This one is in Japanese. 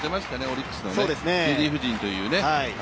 オリックスのリリーフ陣というね。